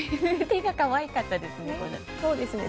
手が可愛かったですね。